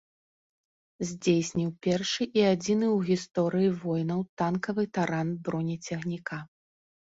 Здзейсніў першы і адзіны ў гісторыі войнаў танкавы таран бронецягніка.